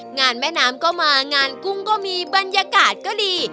งานแม่น้ำก็มางานกุ้งก็มีบรรยากาศก็ดี